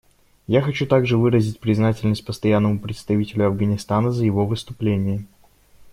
Я хочу также выразить признательность Постоянному представителю Афганистана за его выступление.